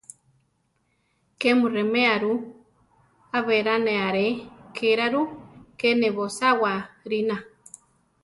¿Ké mu reme aru? a berá ne are ké ra ru; ké ne bosawá rina.